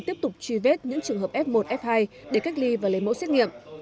tiếp tục truy vết những trường hợp f một f hai để cách ly và lấy mẫu xét nghiệm